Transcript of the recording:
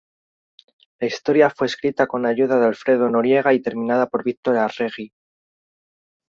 La historia fue escrita con ayuda de Alfredo Noriega y terminada por Víctor Arregui.